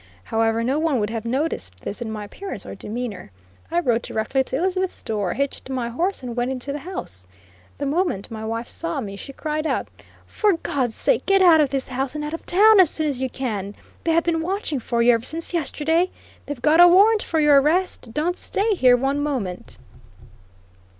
However, no one would have noticed this in my appearance or demeanor. I rode directly to Elizabeth's door, hitched my horse, and went into the house. The moment my wife saw me she cried out: "For God's sake get out of this house and out of town as soon as you can; they have been watching for you ever since yesterday; they've got a warrant for your arrest; don't stay here one moment."